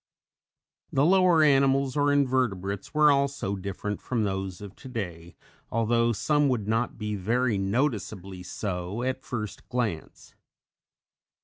The lower animals or Invertebrates were also different from those of today, although some would not be very noticeably so at first glance.